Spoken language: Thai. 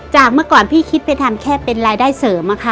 เมื่อก่อนพี่คิดไปทำแค่เป็นรายได้เสริมอะค่ะ